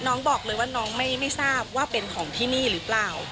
น้องบอกเลยว่าน้องไม่ทราบว่าเป็นของที่นี่หรือเปล่า